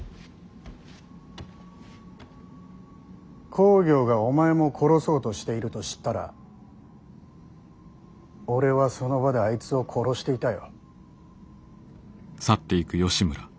公暁がお前も殺そうとしていると知ったら俺はその場であいつを殺していたよ。